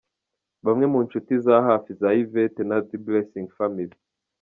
Bamwe mu nshuti za hafi za Yvette na The Blessing Family.